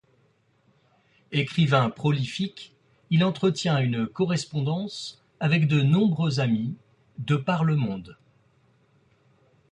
Écrivain prolifique, il entretient une correspondance avec de nombreux amis de par le monde.